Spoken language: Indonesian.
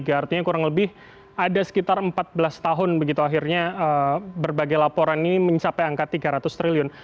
artinya kurang lebih ada sekitar empat belas tahun begitu akhirnya berbagai laporan ini mencapai angka tiga ratus triliun